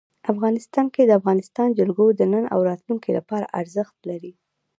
افغانستان کې د افغانستان جلکو د نن او راتلونکي لپاره ارزښت لري.